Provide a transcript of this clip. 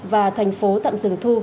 và thành phố tạm dừng thu